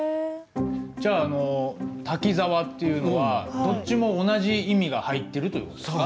じゃああの「滝沢」っていうのはどっちも同じ意味が入ってるという事ですか？